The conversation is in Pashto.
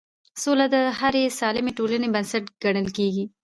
سوله د هرې سالمې ټولنې بنسټ ګڼل کېږي